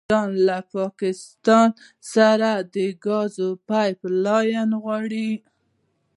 ایران له پاکستان سره د ګاز پایپ لاین غواړي.